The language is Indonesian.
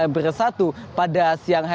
bersatu pada siang